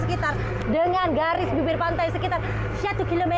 sekitar dengan garis bibir pantai sekitar satu km